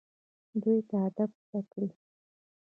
دوی ته ادب زده کړئ